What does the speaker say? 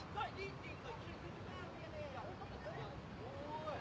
おい。